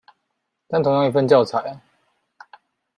但同樣一份教材